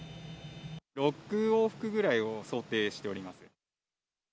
６往復ぐらいを想定しております。